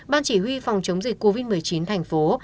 ban chỉ huy phòng chống dịch covid một mươi chín thành phố